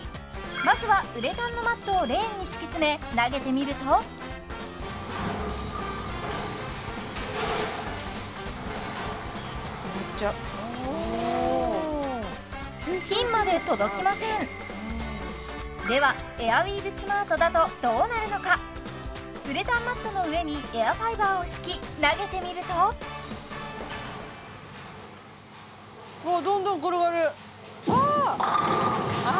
まずはウレタンのマットをレーンに敷き詰め投げてみるとピンまで届きませんではエアウィーヴスマートだとどうなるのかウレタンマットの上にエアファイバーを敷き投げてみるとおおどんどん転がるあ